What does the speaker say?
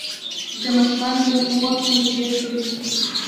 د ماشومانو د لوبو وخت مدیریت کوي.